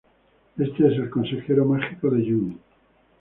Éste es el consejero mágico de June.